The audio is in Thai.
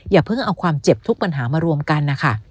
อย่าเพิ่งเอาความเจ็บทุกปัญหามารวมกันนะคะ